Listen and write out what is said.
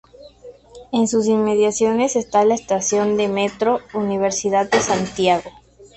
En sus inmediaciones está la estación de Metro, Universidad de Santiago.